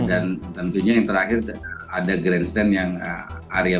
dan tentunya yang terakhir ada grandstand yang area berbeda